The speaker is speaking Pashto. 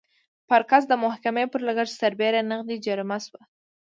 پارکس د محکمې پر لګښت سربېره نغدي جریمه شوه.